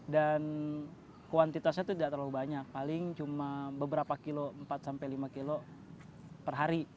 dan kuantitasnya tidak terlalu banyak paling cuma beberapa kilo empat lima kilo per hari